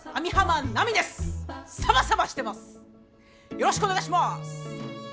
よろしくお願いします！